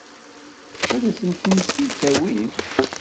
Ad asent-ten-id-tawim?